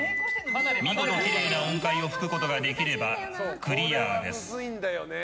見事きれいな音階で吹くことができればクリアです。